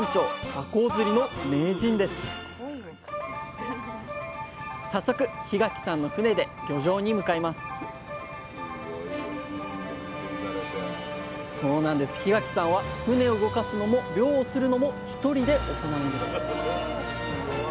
こう釣りの名人です早速檜垣さんの船で漁場に向かいます檜垣さんは船を動かすのも漁をするのも１人で行うんです